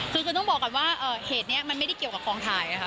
คือต้องบอกก่อนว่าเหตุนี้มันไม่ได้เกี่ยวกับกองถ่ายนะคะ